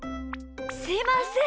すいません。